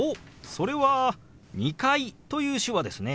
それは「２階」という手話ですね。